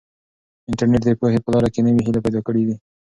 انټرنیټ د پوهې په لاره کې نوې هیلې پیدا کړي دي.